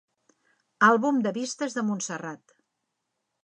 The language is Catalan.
Àlbum de vistes de Montserrat.